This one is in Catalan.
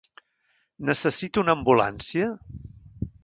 Necessita una ambulància?